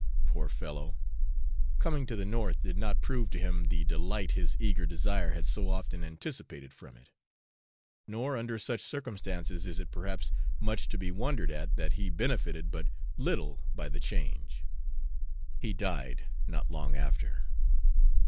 Poor fellow! coming to the north did not prove to him the delight his eager desire had so often anticipated from it; nor under such circumstances is it perhaps much to be wondered at that he benefited but little by the change, he died not long after.